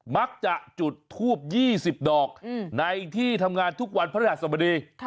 มักจะจุดทูบ๒๐ดอกในที่ทำงานทุกวันพระราชสมดี